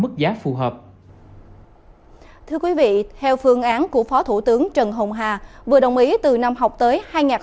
theo phương án của phó thủ tướng trần hồng hà vừa đồng ý từ năm học tới hai nghìn hai mươi ba hai nghìn hai mươi bốn